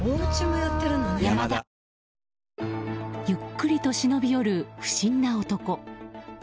ゆっくりと忍び寄る不審な男。